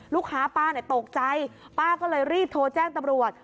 ป้าตกใจป้าก็เลยรีบโทรแจ้งตำรวจ